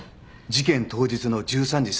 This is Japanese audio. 事件当日の１３時３０分